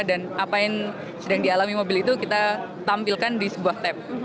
dan apa yang sedang dialami mobil itu kita tampilkan di sebuah tab